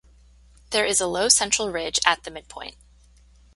There is a low central ridge at the midpoint.